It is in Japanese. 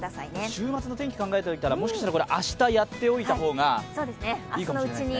週末の天気を考えたら、もしかしたら明日やっておいた方がいいかもしれませんね。